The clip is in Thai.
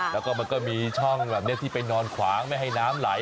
แล้วก็มันก็มีช่องแบบนี้ที่ไปนอนขวางไม่ให้น้ำไหล